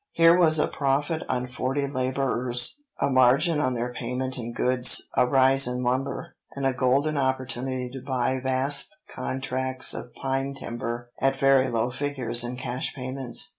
Here was a profit on forty laborers, a margin on their payment in goods, a rise in lumber, and a golden opportunity to buy vast tracts of pine timber at very low figures in cash payments.